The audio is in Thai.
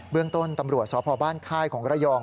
เบื้องต้นตำรวจสพบคของระยอง